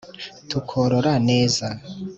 tukorora neza